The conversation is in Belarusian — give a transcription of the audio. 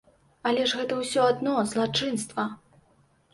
Але ж гэта ўсё адно злачынства!